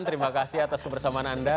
terima kasih atas kebersamaan anda